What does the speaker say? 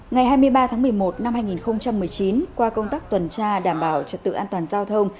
ngày hai mươi ba tháng một mươi một năm hai nghìn một mươi chín qua công tác tuần tra đảm bảo trật tự an toàn giao thông